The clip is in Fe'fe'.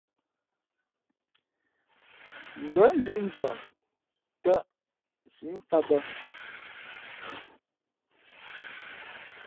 Ngα̌ zʉ̄ʼ njαα tᾱʼ nsǐʼ mfāt bᾱ.